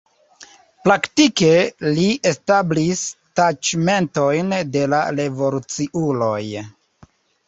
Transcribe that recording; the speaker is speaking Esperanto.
Praktike li establis taĉmentojn de la revoluciuloj.